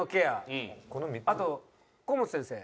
あと河本先生。